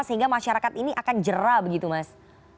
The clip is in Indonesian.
sehingga masyarakat ini akan jerah begitu mas